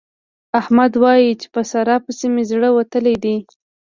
احمد وايي چې په سارا پسې مې زړه وتلی دی.